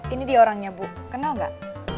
ini dia orangnya bu kenal gak